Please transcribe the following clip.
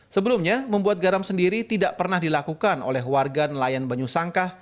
sebelumnya membuat garam sendiri tidak pernah dilakukan oleh warga nelayan banyu sangkah